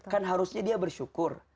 kan harusnya dia bersyukur